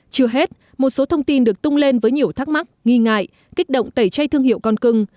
chưa hết một số thông tin được tung lên với nhiều thắc mắc nghi ngại kích động tẩy chay thương hiệu con cưng